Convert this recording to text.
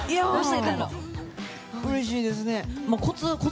うれしいですね。